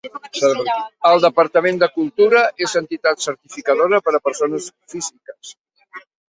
El Departament de Cultura és entitat certificadora per a persones físiques.